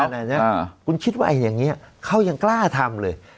นั่นแหละคุณคิดว่าไอ้อย่างนี้เขายังกล้าทำเลย